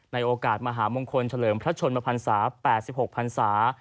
ในโอกาสมหามงคลเฉลิมพระชนมภัณฑาสาว์๘๖ภัณฑาสาว์